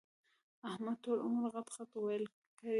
احمد ټول عمر غټ ِغټ ويل کړي دي.